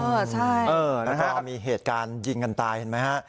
เออใช่นะครับแล้วก็มีเหตุการณ์ยิงกันตายเห็นไหมฮะ